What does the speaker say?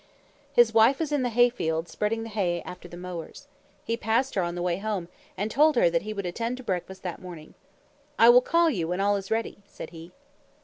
His wife was in the hayfield, spreading the hay after the mowers. He passed her on the way home and told her that he would attend to breakfast that morning. "I will call you when all is ready," said he.